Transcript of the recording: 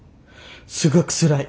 すごくつらい。